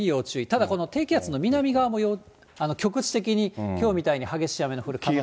ただこの低気圧の南側も局地的にきょうみたいに激しい雨の降る可